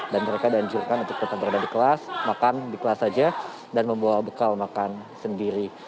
dan mereka danjurkan untuk tetap berada di kelas makan di kelas saja dan membawa bekal makan sendiri